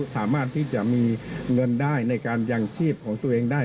สามารถที่จะมีเงินได้ในการยังชีพของตัวเองได้